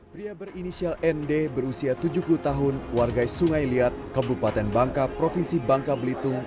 pria berinisial nd berusia tujuh puluh tahun warga sungai liat kabupaten bangka provinsi bangka belitung